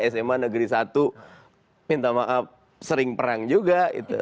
sma negeri satu minta maaf sering perang juga